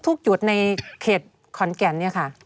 จุดในเขตขอนแก่นเนี่ยค่ะ